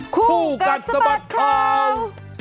คู่กัดสะบัดข่าว